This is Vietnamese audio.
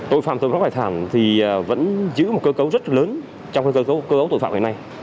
tội phạm tội phạm bài thảm thì vẫn giữ một cơ cấu rất lớn trong cơ cấu tội phạm ngày nay